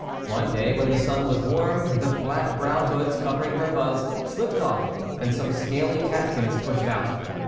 One day when the sun was warm the flat brown ^\ hoods covering her buds slipped off and some scaly catkins pushed out.